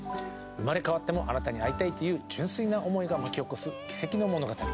「生まれ変わってもあなたに逢いたい」という純粋な思いが巻き起こす奇跡の物語。